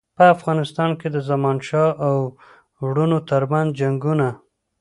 په افغانستان کې د زمانشاه او وروڼو ترمنځ جنګونه.